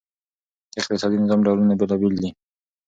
د اقتصادي نظام ډولونه بېلابیل دي.